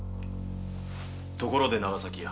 ところで長崎屋。